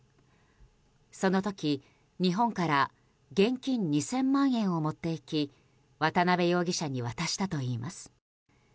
その時、日本から現金２０００万円を持っていき渡邉容疑者に渡したといいます。